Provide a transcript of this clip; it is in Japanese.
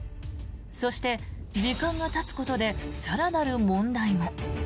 そして、時間がたつことで更なる問題も。